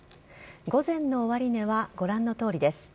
午前の終値はご覧のとおりです。